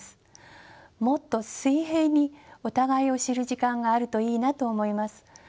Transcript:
もっと水平にお互いを知る時間があるといいなと思います。